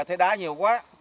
thế đá nhiều quá